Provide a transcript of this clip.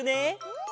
うん！